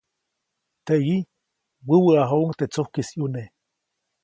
Teʼyi, wäwäʼajuŋ teʼ tsujkis ʼyune.